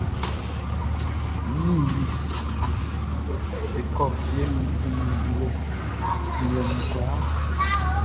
N ni mi si e kɔ fie nun junman dilɛ nglɛmun kwlaa.